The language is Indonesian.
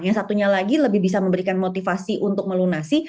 yang satunya lagi lebih bisa memberikan motivasi untuk melunasi